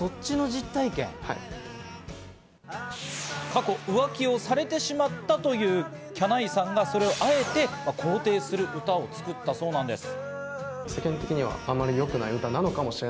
過去、浮気をされてしまったという、きゃないさんが、それをあえて肯定する歌を作ったそうなんです。